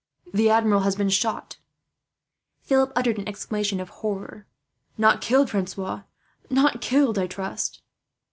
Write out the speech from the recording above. "The Admiral has been shot." Philip uttered an exclamation of horror. "Not killed, Francois; not killed, I trust?"